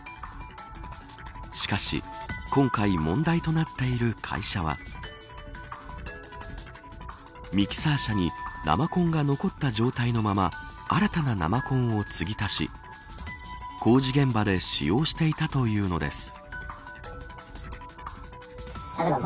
しかし今回問題となっている会社はミキサー車に生コンが残った状態のまま新たな生コンをつぎ足し工事現場で使用していたというのです。